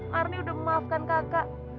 marni udah memaafkan kakak